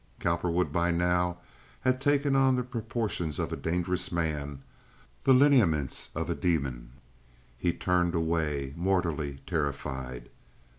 Cowperwood by now had taken on the proportions of a dangerous man—the lineaments of a demon. He turned away mortally terrified.